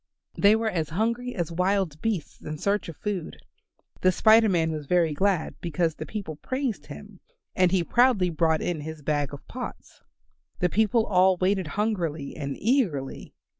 They were as hungry as wild beasts in search of food. The Spider Man was very glad because the people praised him, and he proudly brought in his bag of pots. The people all waited hungrily and eagerly.